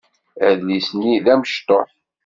Adlis-nni d amecṭuḥ.